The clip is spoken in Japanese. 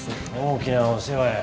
大きなお世話や。